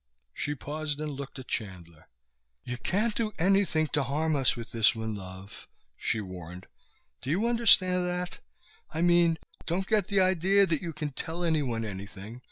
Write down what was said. She paused and looked at Chandler. "You can't do anything to harm us with this one, love," she warned. "Do you understand that? I mean, don't get the idea that you can tell anyone anything.